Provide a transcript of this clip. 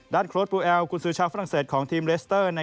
ด้านโค้ดปูแอลคุณศูชาฝรั่งเศสของทีมเรสเตอร์